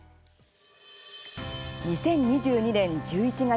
２０２２年１１月。